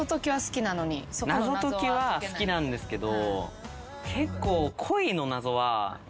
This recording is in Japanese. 謎解きは好きなんですけど結構。